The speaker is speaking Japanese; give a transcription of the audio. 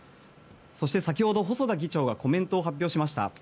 そして先ほど、細田議長がコメントを発表しました。